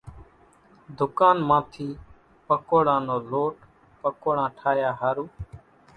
ڌُڪان مان ٿي پڪوڙان نو لوٽ پڪوڙان ٺاھيا ۿارُو